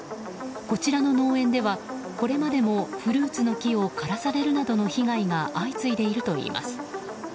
こちらの農園ではこれまでもフルーツの木を枯らされるなどの被害が相次いでいるといいます。